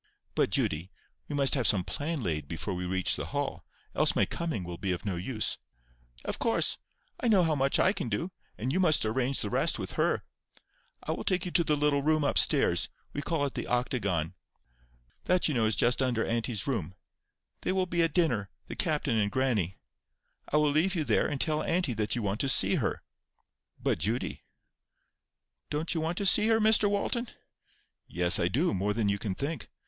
"But, Judy, we must have some plan laid before we reach the Hall; else my coming will be of no use." "Of course. I know how much I can do, and you must arrange the rest with her. I will take you to the little room up stairs—we call it the octagon. That you know is just under auntie's room. They will be at dinner—the captain and grannie. I will leave you there, and tell auntie that you want to see her." "But, Judy,— " "Don't you want to see her, Mr Walton?" "Yes, I do; more than you can think."